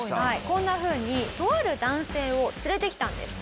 こんな風にとある男性を連れてきたんです。